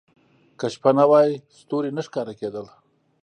• که شپه نه وای، ستوري نه ښکاره کېدل.